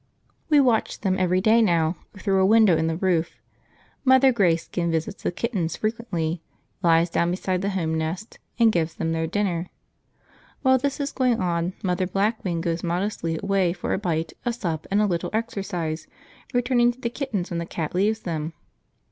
We watch them every day now, through a window in the roof. Mother Greyskin visits the kittens frequently, lies down beside the home nest, and gives them their dinner. While this is going on Mother Blackwing goes modestly away for a bite, a sup, and a little exercise, returning to the kittens when the cat leaves them.